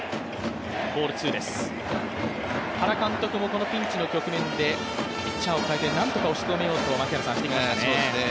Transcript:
原監督もこのピンチの局面でピッチャーを代えて何とか打ち止めようとしてきましたね。